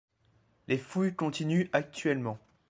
Les fouilles continuent actuellement.